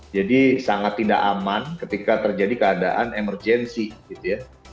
jadi sangat tidak aman ketika terjadi keadaan emergensi gitu ya